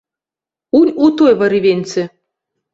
Унь у той варывеньцы.